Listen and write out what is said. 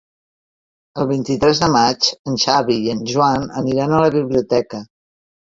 El vint-i-tres de maig en Xavi i en Joan aniran a la biblioteca.